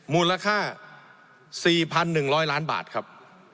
มูลค่า๔๑๐๐ล้านบาทครับ